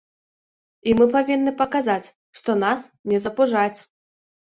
І мы павінны паказаць, што нас не запужаць.